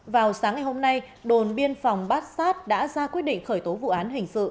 vào sáng ngày hôm nay đồn biên phòng bát sát đã ra quyết định khởi tố vụ án hình sự